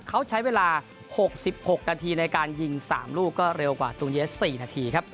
เขาใช้เวลา๖๖นาทีในการยิง๓ลูกก็เร็วกว่าตูนเยส๔นาทีครับ